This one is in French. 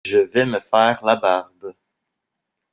Je vais me faire la barbe !